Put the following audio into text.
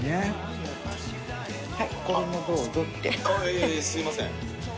いえいえすみません。